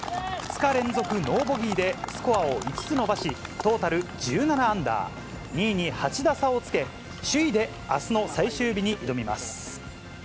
２日連続ノーボギーで、スコアを５つ伸ばし、トータル１７アンダー、２位に８打差をつけ、首位であすの最終日に挑みます。